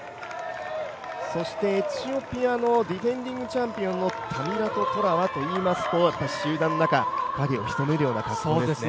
そして、エチオピアのディフェンディングチャンピオンのタミラト・トラはといいますと集団の中、潜むような感じです。